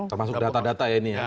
termasuk data data ya ini ya